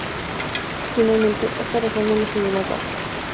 Finalmente, esta reforma no se llevó a cabo.